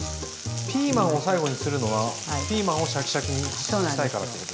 ピーマンを最後にするのはピーマンをシャキシャキにしたいからってことですか？